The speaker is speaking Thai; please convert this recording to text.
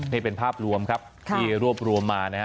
นี่เป็นภาพรวมครับที่รวบรวมมานะฮะ